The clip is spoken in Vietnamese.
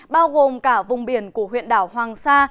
bao gồm cả vùng biển của huyện đảo hoàng sa